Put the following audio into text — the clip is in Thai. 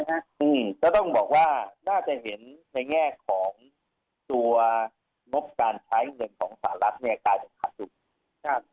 ซึ่งก็ต้องบอกว่าน่าจะเห็นในแง่ของตัวงบการใช้เงินของสหรัฐเนี่ยกลายเป็นขัดอยู่